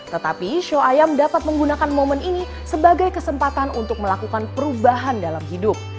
tetapi show ayam dapat menggunakan momen ini sebagai kesempatan untuk melakukan perubahan dalam hidup